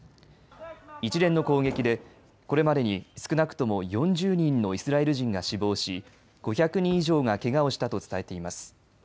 一連の攻撃でこれまでに少なくとも４０人のイスラエル人が死亡し５００人以上がけがをしたと伝えています。